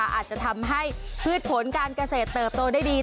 อาจจะทำให้พืชผลการเกษตรเติบโตได้ดี